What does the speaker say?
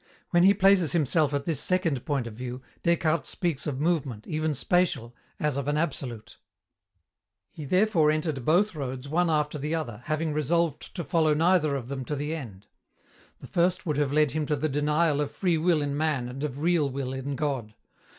When he places himself at this second point of view, Descartes speaks of movement, even spatial, as of an absolute. He therefore entered both roads one after the other, having resolved to follow neither of them to the end. The first would have led him to the denial of free will in man and of real will in God.